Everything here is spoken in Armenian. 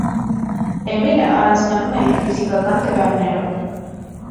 Էմիլը առանձնանում էր իր ֆիզիկական տվյալներով։